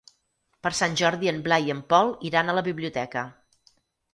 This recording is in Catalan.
Per Sant Jordi en Blai i en Pol iran a la biblioteca.